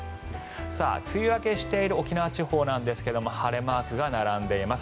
梅雨明けしている沖縄地方ですが晴れマークが並んでいます。